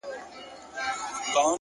مثبت ذهن روښانه راتلونکی ویني.!